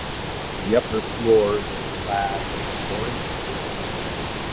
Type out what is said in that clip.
The upper floors are clad in orange brick.